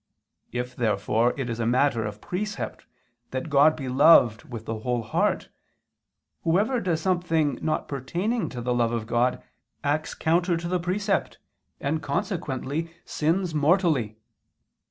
If therefore it is a matter of precept that God be loved with the whole heart, whoever does something not pertaining to the love of God, acts counter to the precept, and consequently sins mortally.